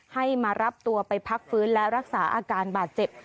ให้มารับตัวไปพักฟื้นและรักษาอาการบาดเจ็บ